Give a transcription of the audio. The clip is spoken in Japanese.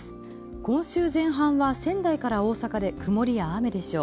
今週前半は仙台から大阪で曇りや雨でしょう。